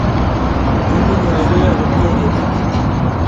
timit nyoo koyae komiei eng ligi